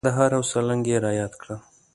کندهار او سالنګ یې را یاد کړل.